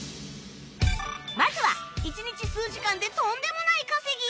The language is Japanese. まずは１日数時間でとんでもない稼ぎ！？